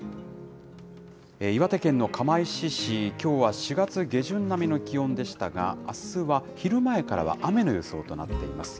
岩手県の釜石市、きょうは４月下旬並みの気温でしたが、あすは昼前からは雨の予想となっています。